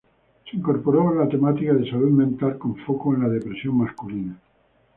Se incorporó la temática de salud mental con foco en la depresión masculina.